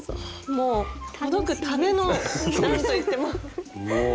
もうほどくための何と言っても。